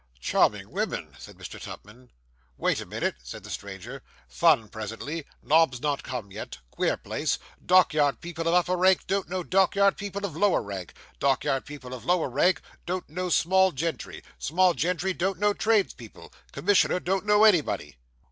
'Charming women,' said Mr. Tupman. 'Wait a minute,' said the stranger, 'fun presently nobs not come yet queer place dockyard people of upper rank don't know dockyard people of lower rank dockyard people of lower rank don't know small gentry small gentry don't know tradespeople commissioner don't know anybody.